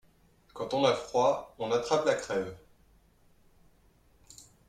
Quand on a froid on attrape la crève.